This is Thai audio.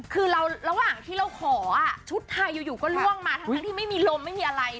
คือระหว่างที่เราขอชุดไทยอยู่ก็ล่วงมาทั้งที่ไม่มีลมไม่มีอะไร